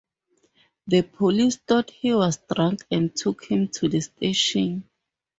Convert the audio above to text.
The police thought he was drunk and took him to the station.